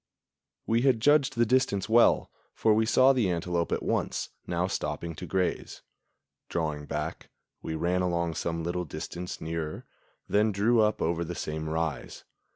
We had judged the distance well, for we saw the antelope at once, now stopping to graze. Drawing back, we ran along some little distance nearer, then drew up over the same rise.